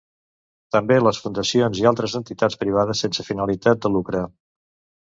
També les fundacions i altres entitats privades sense finalitat de lucre.